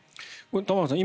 玉川さん